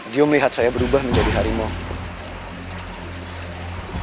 dia melihat saya berubah menjadi harimau